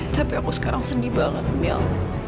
tapi aku sekarang sedih banget mil